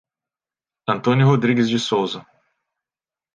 Antônio Rodrigues de Souza